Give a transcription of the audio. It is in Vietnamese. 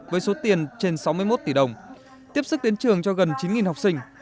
với số tiền trên sáu mươi một tỷ đồng tiếp sức đến trường cho gần chín học sinh